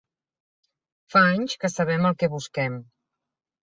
Fa anys que sabem el que busquem.